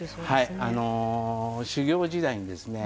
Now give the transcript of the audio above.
修業時代にですね